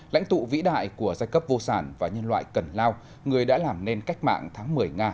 lãnh tụ vĩ đại của giai cấp vô sản và nhân loại cần lao người đã làm nên cách mạng tháng một mươi nga